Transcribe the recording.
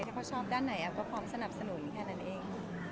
เพราะเขาชอบด้านไหนแล้วเพราะทำสนับสนุนแค่นั้นเอง